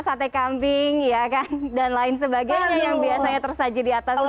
sate kambing ya kan dan lain sebagainya yang biasanya tersaji di atas